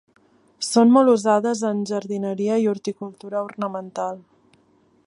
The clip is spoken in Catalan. Són molt usades en jardineria i horticultura ornamental.